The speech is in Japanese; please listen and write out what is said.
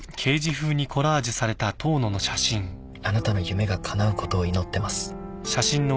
「あなたの夢が叶うことを祈ってます」